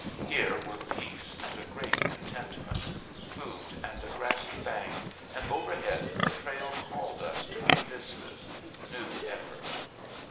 Here were peace and a great contentment, food and a grassy bank, and overhead the trail called us to new vistas, new effort.